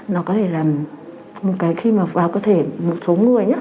nó có thể là một cái khi mà vào cơ thể một số người nhé